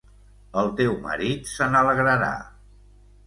El teu marit se n'alegrarà...